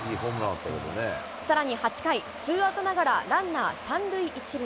さらに８回、ツーアウトながらランナー３塁１塁。